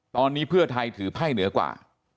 ตอนนี้เพื่อไทยถือไพ่เหนือกว่า